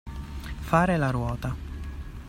Fare la ruota.